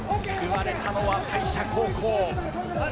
救われたのは大社高校。